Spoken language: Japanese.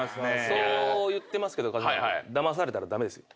そう言ってますけど川島さんだまされたら駄目ですよ。